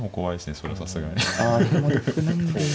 それはさすがに。